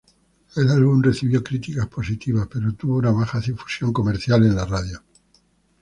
El álbum recibió críticas positivas, pero tuvo una baja difusión comercial en la radio.